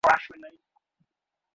মা ছাতে আসতে বললেন।